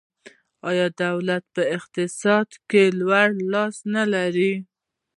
آیا دولت په اقتصاد کې لوی لاس نلري؟